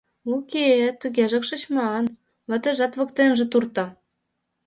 — Уке, тугежак шыч ман, — ватыжат воктенже турто.